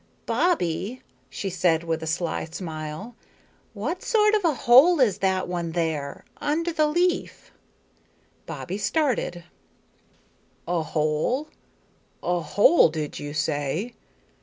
"Bobbie," she said with a sly smile, "what sort of a hole is that one there, under the leaf?" Bobbie started. "A hole? A hole, did you say?